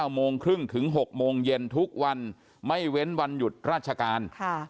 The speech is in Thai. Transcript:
โมงครึ่งถึง๖โมงเย็นทุกวันไม่เว้นวันหยุดราชการ